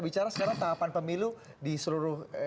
bicara sekarang tahapan pemilu di seluruh